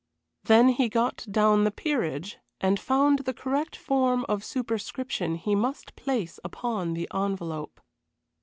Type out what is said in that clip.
Then he got down the Peerage and found the correct form of superscription he must place upon the envelope.